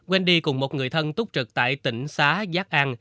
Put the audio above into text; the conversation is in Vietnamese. wendy cùng một người thân túc trực tại tỉnh xá giác an